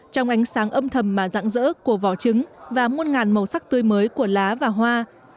trong ánh sáng âm thầm mà dạng dỡ của vỏ trứng và muôn ngàn màu sắc tươi mới của lá và hoa